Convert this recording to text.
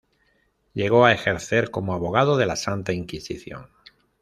Llegó a ejercer como abogado de la Santa Inquisición.